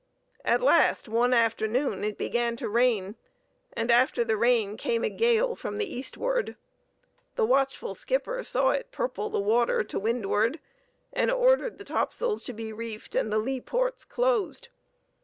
At last, one afternoon, it began to rain, and after the rain came a gale from the eastward. The watchful skipper saw it purple the water to windward, and ordered the topsails to be reefed and the lee ports closed.